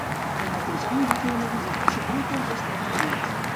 El mateix any va fer una visita secreta als Estats Units.